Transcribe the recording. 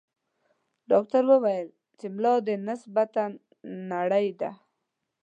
ډاکټر ویل چې ملا دې نسبتاً نرۍ ده.